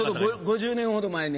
５０年ほど前に。